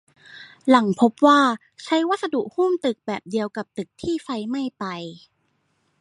หลังพบว่าใช้วัสดุหุ้มตึกแบบเดียวกับตึกที่ไฟไหม้ไป